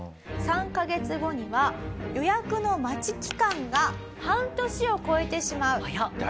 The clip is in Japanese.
３カ月後には予約の待ち期間が半年を超えてしまう。